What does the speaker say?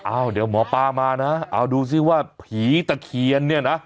เดี๋ยวหมอปลามานะเอาดูซิว่าผีตะเคียนเนี่ยนะ